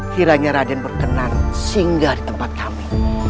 kiranya raden berkenan singgah di tempat kami